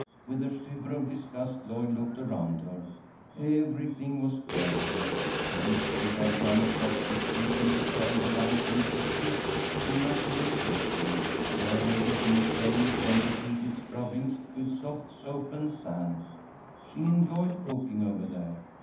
With a shiver of disgust, Lloyd looked around her. Everything was dirty. She wished she dared run across the street and prepare the lunch in Mrs. Crisp's immaculate kitchen. There everything shone from repeated scrubbings with soft soap and sand. She enjoyed cooking over there.